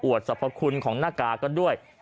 สรรพคุณของหน้ากากกันด้วย